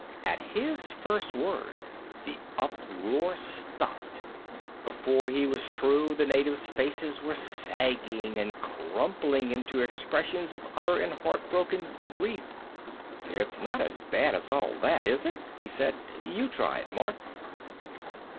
At his first word, the uproar stopped; before he was through, the natives' faces were sagging and crumbling into expressions of utter and heartbroken grief. "It's not as bad as all that, is it?" he said. "You try it, Mark."